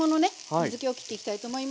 水けをきっていきたいと思います。